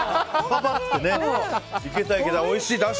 おいしい！